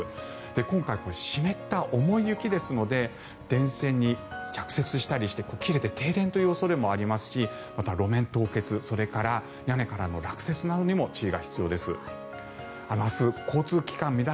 今回、湿った重い雪ですので電線に着雪したりして、切れて停電という恐れもありますしまた路面凍結それから屋根からの落雪などにも「ワイド！